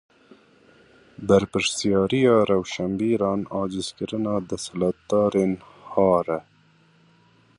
Berpirsyariya rewşenbîran acizkirina desthilatdarên har e.